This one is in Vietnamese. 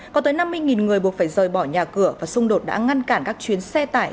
có tới năm mươi người buộc phải rời bỏ nhà cửa và xung đột đã ngăn cản các chuyến xe tải